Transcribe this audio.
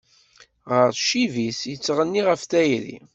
Ɣer ccib-is, yettɣenni ɣef tayri.